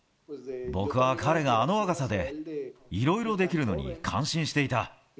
僕は彼があの若さで、いろいろできるのに感心していた。